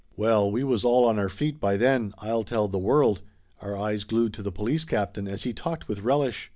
Well, we was all on our feet by then, I'll tell the world, our eyes glued to the police captain as he talked with relish.